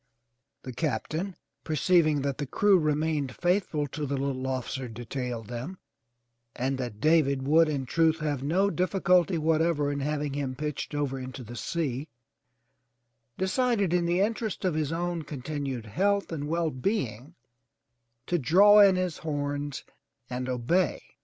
The Captain, perceiving that the crew remained faithful to the little officer detailed them, and that David would in truth have no difficulty whatever in having him pitched over into the sea, de cided in the interests of his own continued health and well being to draw in his horns and obey.